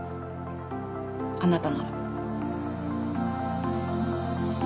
あなたなら。